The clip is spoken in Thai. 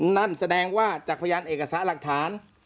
นั่นแสดงว่าจากพยานเอกสารหลักฐาน